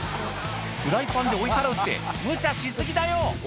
フライパンで追い払うってむちゃし過ぎだよ！